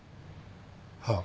はあ。